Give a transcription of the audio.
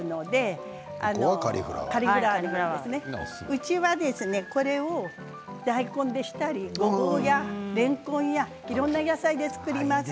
うちはこれを大根でしたりゴーヤー、れんこん、いろんな野菜で作ります。